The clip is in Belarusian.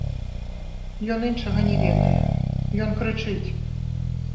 Ён іншага не ведае, ён крычыць.